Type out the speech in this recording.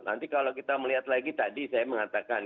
nanti kalau kita melihat lagi tadi saya mengatakan